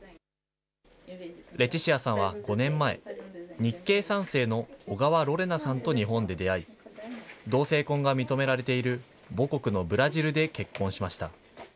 レチシアさんは５年前、日系３世の小川・ロレナさんと日本で出会い、同性婚が認められている母国のブラジルで結婚しました。